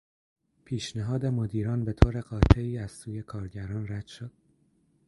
پیشنهاد مدیران به طور قاطعی از سوی کارگران رد شد.